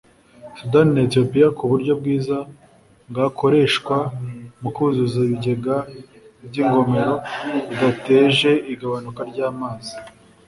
Sudan na Ethiopia ku buryo bwiza bwakoreshwa mu kuzuza ibigega by’ingomero bidateje igabanuka ry’amazi